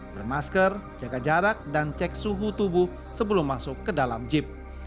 bermasker jaga jarak dan cek suhu tubuh sebelum masuk ke dalam jeep